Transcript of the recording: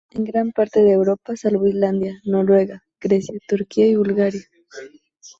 En gran parte de Europa, salvo Islandia, Noruega, Grecia, Turquía y Bulgaria.